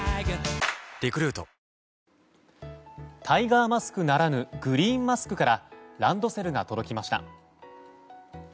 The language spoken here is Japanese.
タイガーマスクならぬグリーンマスクからランドセルが届きました。